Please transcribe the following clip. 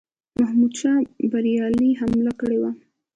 محمودشاه بریالی حمله کړې وه.